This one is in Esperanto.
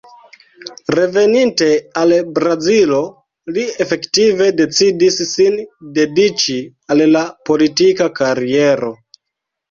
Reveninte al Brazilo, li efektive decidis sin dediĉi al la politika kariero.